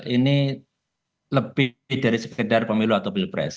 ini lebih dari sekedar pemilu atau pilpres